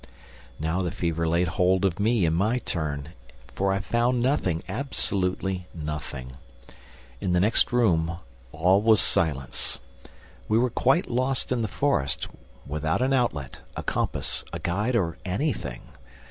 Now the fever laid hold of me in my turn ... for I found nothing, absolutely nothing. In the next room, all was silence. We were quite lost in the forest, without an outlet, a compass, a guide or anything.